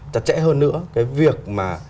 chặt chẽ hơn nữa cái việc mà